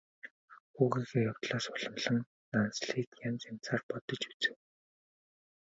Хүүгийнхээ явдлаас уламлан Нансалыг янз янзаар бодож үзэв.